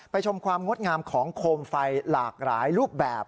ชมความงดงามของโคมไฟหลากหลายรูปแบบ